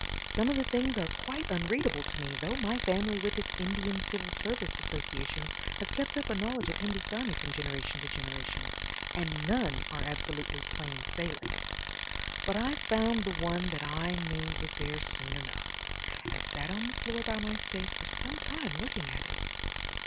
Some of the things are quite unreadable to me—though my family, with its Indian Civil Service associations, has kept up a knowledge of Hindustani from generation to generation—and none are absolutely plain sailing. But I found the one that I knew was there soon enough, and sat on the floor by my safe for some time looking at it.